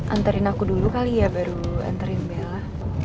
anterin aku dulu kali ya baru anterin bella